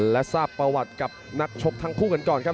และทราบประวัติกับนักชกทั้งคู่กันก่อนครับ